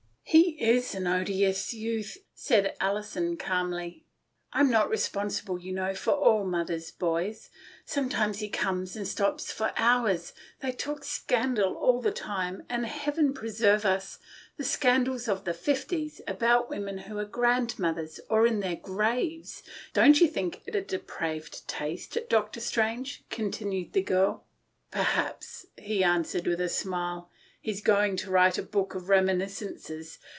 "He is an odious youth," said Alison calmly. " I'm not responsible, you know, for all mother's 'boys.' Sometimes he comes and stops for hours. They talk scandal all the time, and, Heaven preserve us! the scandal of the fifties — about women who are grandmothers, or in their graves. Don't you think it a depraved taste, Dr. Strange ?" con tinued the girl. " Perhaps," he answered with a smile, " he's going to write a book of reminiscences.